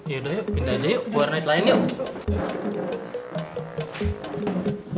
yaudah yuk pindah aja yuk buat naik lain yuk